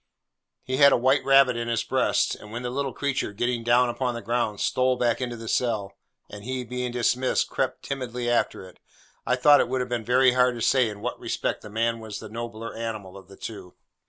He had a white rabbit in his breast; and when the little creature, getting down upon the ground, stole back into the cell, and he, being dismissed, crept timidly after it, I thought it would have been very hard to say in what respect the man was the nobler animal of the two.